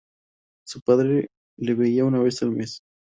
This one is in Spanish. Su padre le veía una vez al mes.